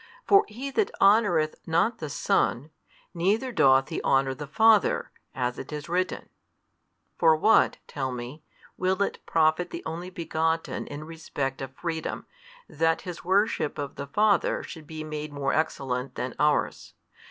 For he that honoureth not the Son, neither doth he honour the Father, as it is written. For what (tell me) will it profit the Only Begotten in respect of freedom, that His worship of the Father should be made more excellent than ours?